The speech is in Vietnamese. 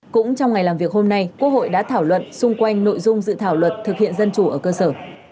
cũng trong ngày làm việc hôm nay quốc hội đã thảo luận xung quanh nội dung dự thảo luật thực hiện dân chủ ở cơ sở